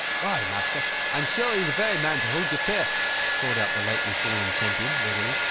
"Why, master, I am surely the very man to hold your purse!" called out the lately fallen champion, readily.